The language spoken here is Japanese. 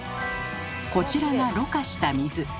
こちらがろ過した水。